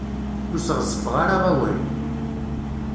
Ur sɣezfeɣ ara awal.